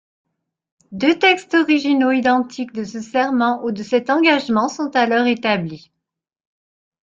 Deux textes originaux identiques de ce serment ou de cet engagement sont alors établis.